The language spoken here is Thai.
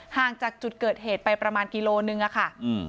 ห่างจากจุดเกิดเหตุไปประมาณกิโลนึงอะค่ะ